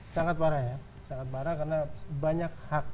sangat parah ya karena banyak hak